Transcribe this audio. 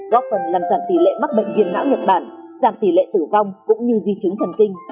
góp phần làm giảm tỷ lệ mắc bệnh viêm não nhật bản giảm tỷ lệ tử vong cũng như di chứng thần kinh